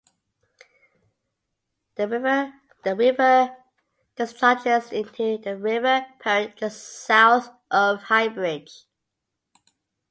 The river discharges into the River Parrett just south of Highbridge.